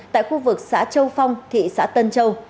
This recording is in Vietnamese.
tại khu vực xã châu phong thị xã tân châu